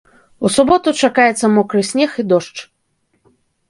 У суботу чакаецца мокры снег і дождж.